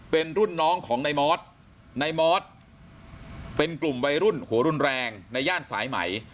เป็นรุ่นน้องของนายมอสในมอสเป็นกลุ่มวัยรุ่นหัวรุนแรงในย่านสายไหม